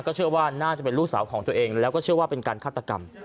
เชื่อว่าน่าจะเป็นลูกสาวของตัวเองแล้วก็เชื่อว่าเป็นการฆาตกรรม